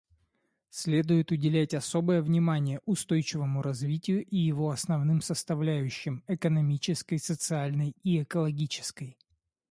Следует уделять особое внимание устойчивому развитию и его основным составляющим — экономической, социальной и экологической.